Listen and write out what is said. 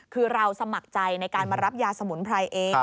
คือเราสมัครใจในการมารับยาสมุนไพรเอง